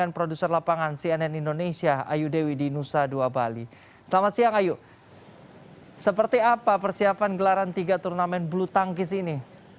seperti apa persiapan gelaran tiga turnamen bulu tangkis ini